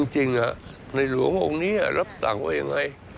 จริงในหลวงโรงนี้รับสั่งว่าอย่างไร